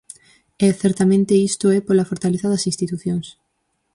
E, certamente, isto é pola fortaleza das institucións.